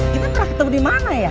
kita pernah ketemu dimana ya